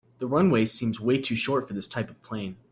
The runway seems way to short for this type of plane.